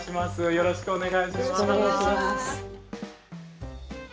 よろしくお願いします。